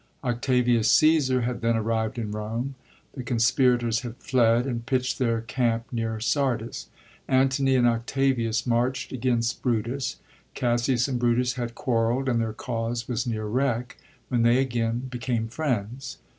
Octavius Caesar had then arrived in Rome. The conspirators had fled, and pitcht their camp near Sardis. Antony and Octavius marcht against Brutus. Cassius and Brutus had quar reld, and their cause was near wreck, when they again became friends.